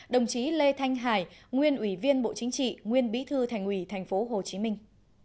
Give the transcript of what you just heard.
đồng chí lê thanh hải nguyên ủy viên bộ chính trị nguyên bí thư thành ủy thành phố hồ chí minh